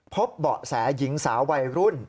เบาะแสหญิงสาววัยรุ่น